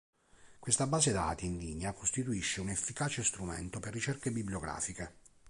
Questa base dati in linea costituisce un efficace strumento per ricerche bibliografiche.